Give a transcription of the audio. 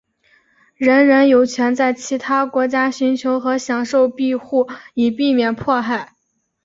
人人有权在其他国家寻求和享受庇护以避免迫害。